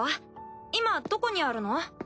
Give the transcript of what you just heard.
今はどこにあるの？